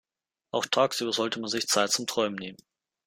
Auch tagsüber sollte man sich Zeit zum Träumen nehmen.